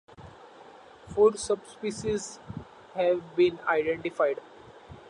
Four subspecies have been identified.